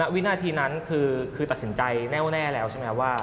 วินาทีนั้นคือตัดสินใจแน่วแน่แล้วใช่ไหมครับว่า